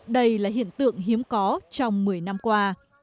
đây là hiện tượng hiếm có trong một mươi năm qua